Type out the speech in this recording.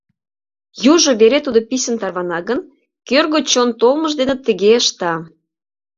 Южо вере тудо писын тарвана гын, кӧргӧ чон толмыж дене тыге ышта.